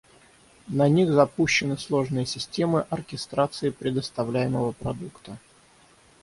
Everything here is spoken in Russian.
На них запущены сложные системы оркестрации предоставляемого продукта.